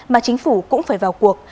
mà chính phủ cũng phải vào cuộc